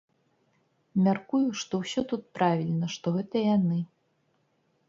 Мяркую, што ўсё тут правільна, што гэта яны.